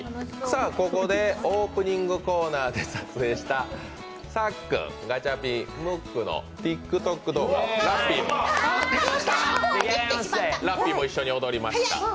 ここでオープニングコーナーで撮影したさっくん、ガチャピン、ムックのＴｉｋＴｏｋ動画ラッピーも一緒に踊りました。